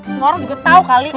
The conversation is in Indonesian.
semua orang juga tahu kali